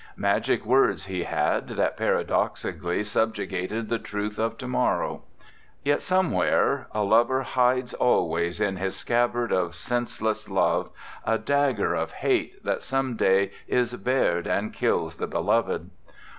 Magic words he had, that paradoxically sub jugated the truths of to morrow. Yet somewhere a lover hides always in his scabbard of senseless love a dagger of 94 FRANZ BLEI hate that some day is bared and kills the beloved.